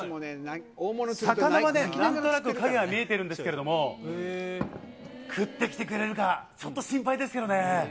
魚はね、来てて、影は見えてるんですけども、食ってきてくれるか、ちょっと心配ですよね。